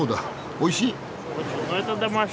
おいしい？